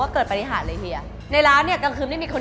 ก็โดนฟ้องลงนะลายตอนนั้น